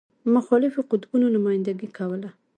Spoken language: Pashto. مخالفو قطبونو نمایندګي کوله.